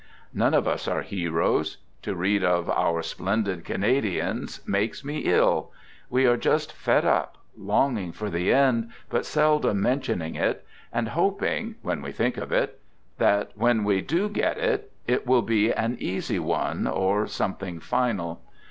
None of us are heroes. To read of " Our Splendid Canadians " makes us ill. We are just fed up, longing for the end, but seldom mentioning it, and hoping — when we think of it — that when we do get it — it will be an easy one, or something final.